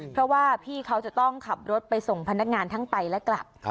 เพราะว่าพี่เขาจะต้องขับรถไปส่งพนักงานทั้งไปและกลับ